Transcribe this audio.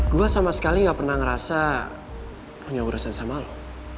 gue sama sekali gak pernah ngerasa punya urusan sama lo